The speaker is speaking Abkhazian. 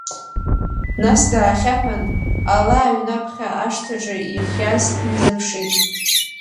Нас, даахьаҳәын, ала аҩнаԥхьа, ашҭаҿы иахьиаз дназыԥшит.